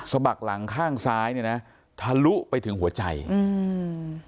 บักหลังข้างซ้ายเนี้ยนะทะลุไปถึงหัวใจอืม